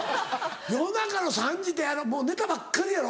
夜中の３時ってもう寝たばっかりやろ。